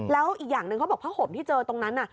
แล้วอีกอย่างหนึ่งเขาบอกผ้าห่มที่เจอตรงนั้น